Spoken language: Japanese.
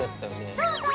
そうそう！